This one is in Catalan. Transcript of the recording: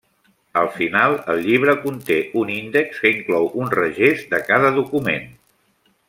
Al final el llibre conté un índex que inclou un regest de cada document.